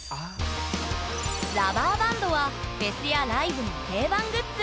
ラバーバンドはフェスやライブの定番グッズ。